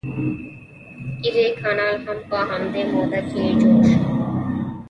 ایري کانال هم په همدې موده کې جوړ شو.